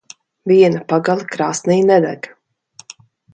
Viena pagale krāsnī nedeg.